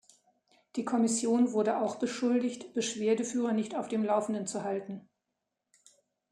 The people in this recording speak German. Die Kommission wurde auch beschuldigt, Beschwerdeführer nicht auf dem laufenden zu halten.